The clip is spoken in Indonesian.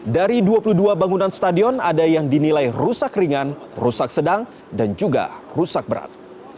dari dua puluh dua bangunan stadion ada yang dinilai rusak ringan rusak sedang dan juga rusak berat